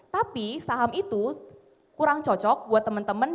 tapi saham itu kurang cocok buat teman teman